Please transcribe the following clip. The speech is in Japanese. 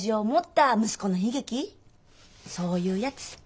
そういうやつ。